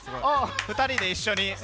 ２人で一緒に。